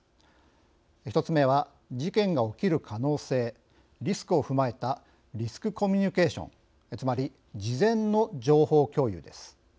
１つ目は事件が起きる可能性リスクを踏まえたリスクコミュニケーションつまり事前の情報共有です。